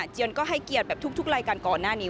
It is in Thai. ก็ให้เกียรติแบบทุกรายการก่อนหน้านี้